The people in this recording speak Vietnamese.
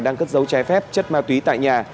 đang cất giấu trái phép chất ma túy tại nhà